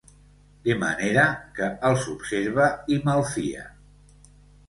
De manera que els observa i malfia.